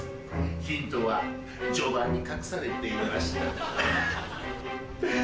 ヒントは序盤に隠されていました。